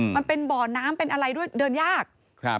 มันเป็นบ่อน้ำเป็นอะไรด้วยเดินยาก